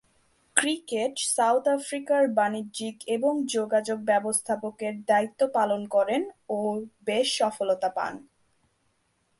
Cricket South আফ্রিকার বাণিজ্যিক এবং যোগাযোগ ব্যবস্থাপকের দায়িত্ব পালন করেন ও বেশ সফলতা পান।